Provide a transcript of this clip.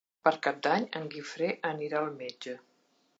Per Cap d'Any en Guifré anirà al metge.